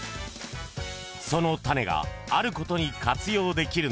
［その種があることに活用できるんです］